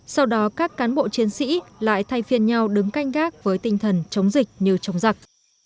sau đó các cán bộ chiến sĩ lại thay phiên nhau đứng canh gác với tinh thần chống dịch như chống giặc